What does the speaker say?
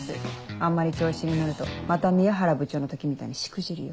あんまり調子に乗るとまた宮原部長の時みたいにしくじるよ。